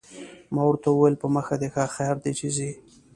ما ورته وویل: په مخه دې ښه، خیر دی چې ځې.